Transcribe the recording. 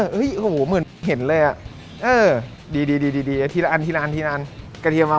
พริกมือเดี๋ยวเข็มเอ๋ยเดี๋ยวกูชิมเอง